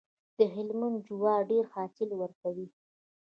د هلمند جوار ډیر حاصل ورکوي.